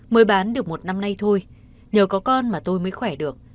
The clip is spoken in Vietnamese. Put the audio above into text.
mới bán được một năm nay thôi nhờ có con mà tôi mới khỏe được